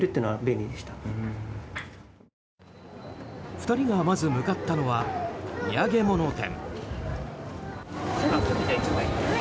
２人がまず向かったのは土産物店。